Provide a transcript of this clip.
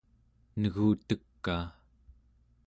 negutekaa